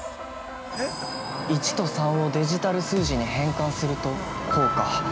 ◆１と３をデジタル数字に変換するとこうか。